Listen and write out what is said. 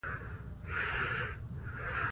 د اوبو سرچینې د افغانستان د طبیعت برخه ده.